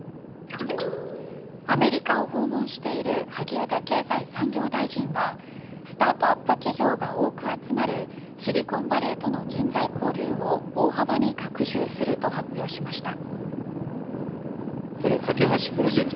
アメリカを訪問している萩生田経済産業大臣はスタートアップ企業が多く集まるシリコンバレーとの人材交流を大幅に拡充すると発表しました。